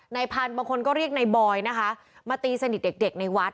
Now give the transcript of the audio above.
พันธุ์บางคนก็เรียกนายบอยนะคะมาตีสนิทเด็กในวัด